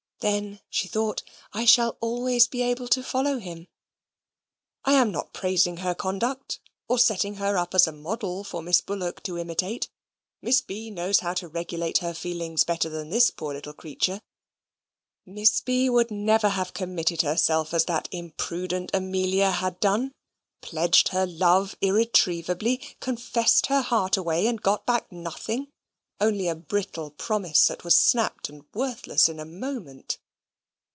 Then, she thought, I shall always be able to follow him. I am not praising her conduct or setting her up as a model for Miss Bullock to imitate. Miss B. knows how to regulate her feelings better than this poor little creature. Miss B. would never have committed herself as that imprudent Amelia had done; pledged her love irretrievably; confessed her heart away, and got back nothing only a brittle promise which was snapt and worthless in a moment.